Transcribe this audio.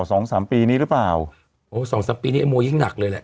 สองสามปีนี้หรือเปล่าโอ้สองสามปีนี้ไอโมยิ่งหนักเลยแหละ